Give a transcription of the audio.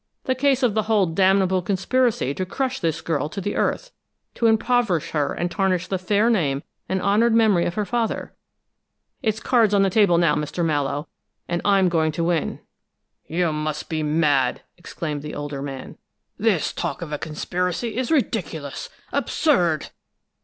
The case of the whole damnable conspiracy to crush this girl to the earth, to impoverish her and tarnish the fair name and honored memory of her father. It's cards on the table now, Mr. Mallowe, and I'm going to win!" "You must be mad!" exclaimed the older man. "This talk of a conspiracy is ridiculous, absurd!"